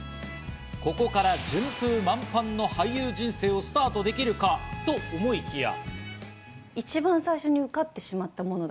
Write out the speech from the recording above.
ここから順風満帆の俳優人生をスタートできるかと思いきや。